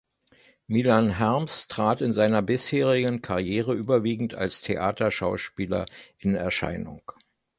Milan Herms trat in seiner bisherigen Karriere überwiegend als Theaterschauspieler in Erscheinung.